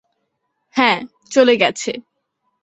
হ্যাঁ, চলে গেছে।